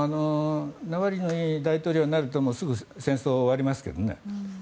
ナワリヌイが大統領になるとすぐ戦争は終わりますけどね。